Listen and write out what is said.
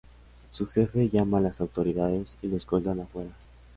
Su jefe llama a las autoridades y lo escoltan afuera.